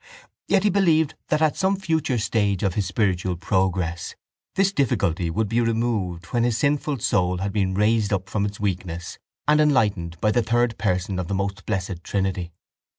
Yet he believed that at some future stage of his spiritual progress this difficulty would be removed when his sinful soul had been raised up from its weakness and enlightened by the Third Person of the Most Blessed Trinity.